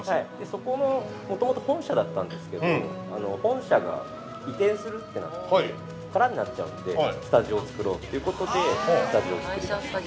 ◆そこのもともと本社だったんですけど本社が移転するってなって空になっちゃうんでスタジオを作ろうということで。